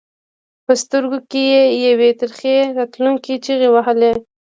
په سترګو کې یې یوې ترخې راتلونکې چغې وهلې.